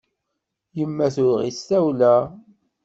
Yemma tuɣ-itt tawla.